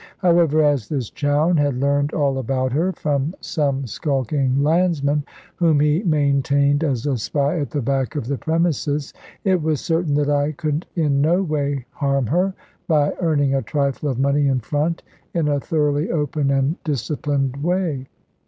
However, as this Chowne had learned all about her, from some skulking landsman, whom he maintained as a spy at the back of the premises, it was certain that I could in no way harm her, by earning a trifle of money in front, in a thoroughly open and disciplined way.